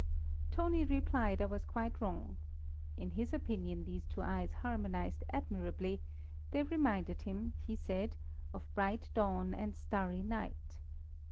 Toni replied I was quite wrong. In his opinion these two eyes harmonized admirably; they reminded him, he said, of bright dawn and starry night.